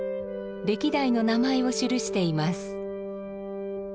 歴代の名前を記しています。